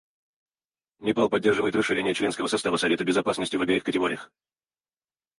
Непал поддерживает расширение членского состава Совета Безопасности в обеих категориях.